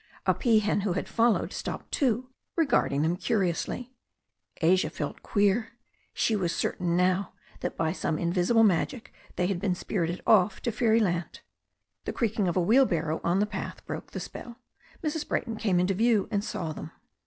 A peahen who had followed, stopped too, regarding them curiously. Asia felt queer. She was certain now that by some in visible magic they had been spirited off to Fairyland. The creaking of a wheelbarrow on the path broke the spell. Mrs. Brayton came into view and saw them.